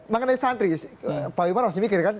makanya santri pak wiman harusnya mikir kan